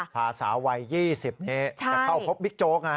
พาสาววัย๒๐นี้จะเข้าพบบิ๊กโจ๊ก